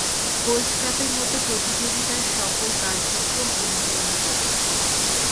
Gold কাপের মতো প্রতিযোগিতার সকল কার্যক্রম পরিচালনা করে।